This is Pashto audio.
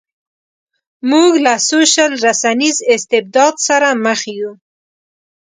موږ له سوشل رسنیز استبداد سره مخ یو.